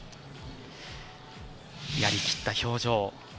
やりきった表情。